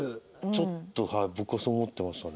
ちょっとはい僕はそう思ってましたね。